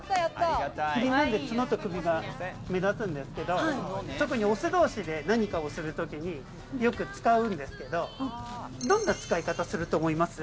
キリンはツノと首が目立つんですけど、オス同士で何かをするときによく使うんですけど、どんな使い方すると思います？